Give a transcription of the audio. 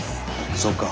そうか。